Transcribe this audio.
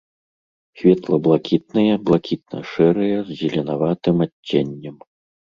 Светла-блакітныя, блакітна-шэрыя з зеленаватым адценнем.